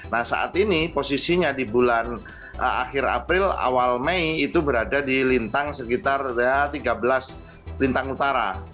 nah saat ini posisinya di bulan akhir april awal mei itu berada di lintang sekitar tiga belas lintang utara